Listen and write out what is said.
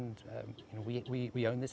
dan kami memiliki tanah ini